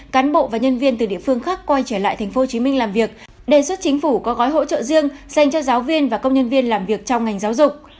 cán bộ và nhân viên từ địa phương khác quay trở lại tp hcm làm việc đề xuất chính phủ có gói hỗ trợ riêng dành cho giáo viên và công nhân viên làm việc trong ngành giáo dục